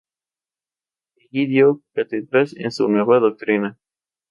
Allí dio cátedras en su nueva doctrina.